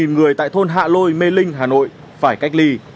một mươi người tại thôn hạ lôi mê linh hà nội phải cách ly